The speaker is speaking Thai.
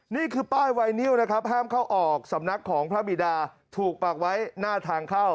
นี่คือป้ายไวนิวนะครับห้ามเข้าออกสำนักของพระบิดาถูกปากไว้หน้าทางเข้า